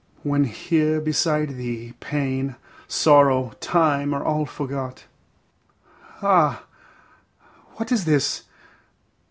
When here beside thee, pain, sorrow, time are all forgot. Ah! what is this?